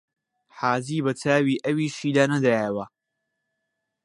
حاجی بە چاوی ئەویشیدا نەدایەوە